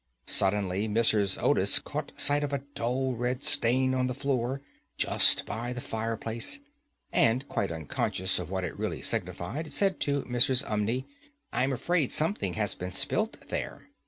Suddenly Mrs. Otis caught sight of a dull red stain on the floor just by the fireplace, and, quite unconscious of what it really signified, said to Mrs. Umney, "I am afraid something has been spilt there."